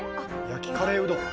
焼きカレーうどん。